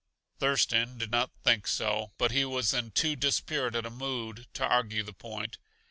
Thurston did not think so, but he was in too dispirited a mood to argue the point.